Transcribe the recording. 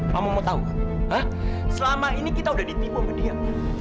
mama mau tahu selama ini kita udah ditipu mendiak